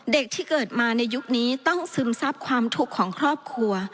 ที่เกิดมาในยุคนี้ต้องซึมซับความทุกข์ของครอบครัว